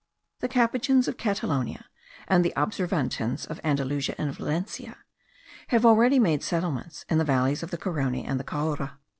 The Capuchins of Catalonia and the Observantins of Andalusia and Valencia, have already made settlements in the valleys of the Carony and the Caura.